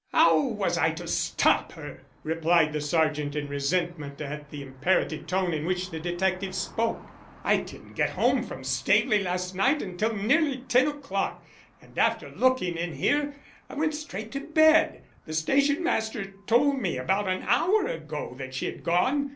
"How was I to stop her?" replied the sergeant, in resentment at the imperative tone in which the detective spoke. "I didn't get home from Staveley last night until nearly ten o'clock and after looking in here I went straight to bed. The station master told me about an hour ago that she had gone.